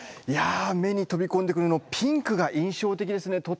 いや目に飛びこんでくるのピンクが印象的ですね。